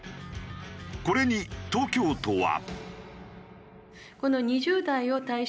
これに東京都は。